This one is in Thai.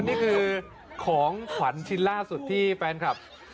นี่คือของขวัญชิ้นล่าสุดที่แฟนคลับ